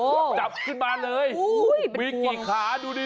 โอ้โฮจับขึ้นมาเลยมีกี่ขาดูดี